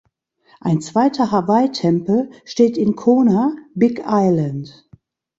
Ein zweiter Hawaii Tempel steht in Kona, Big Island.